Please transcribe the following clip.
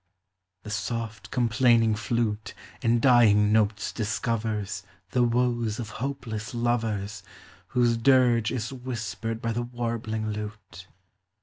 The soft complaining flute In dying notes discovers The woes of hopeless Lov< Who^e dirge is whispered by the warbling I 366 POEMS OF SENTIMENT.